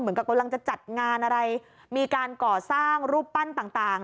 กำลังจะจัดงานอะไรมีการก่อสร้างรูปปั้นต่าง